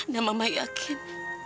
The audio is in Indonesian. dan mama yakin